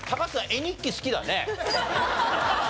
絵日記好きだね。